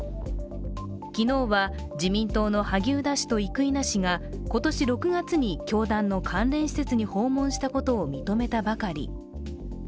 昨日は自民党の萩生田氏と生稲氏が今年６月に教団の関連施設に訪問したことを認めたばかり。